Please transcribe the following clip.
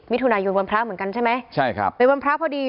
มิถุนายนวันพระเหมือนกันใช่ไหมใช่ครับเป็นวันพระพอดี